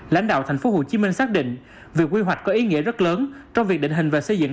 lãnh đạo tp hcm xác định việc quy hoạch có ý nghĩa rất lớn trong việc định hình và xây dựng